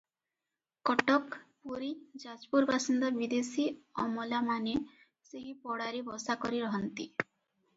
କଟକ, ପୁରୀ, ଯାଜପୁର ବାସିନ୍ଦା ବିଦେଶୀ ଅମଲାମାନେ ସେହି ପଡ଼ାରେ ବସା କରି ରହନ୍ତି ।